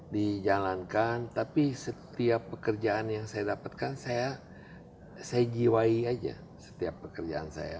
dijalankan tapi setiap pekerjaan yang saya dapatkan saya jiwai aja setiap pekerjaan saya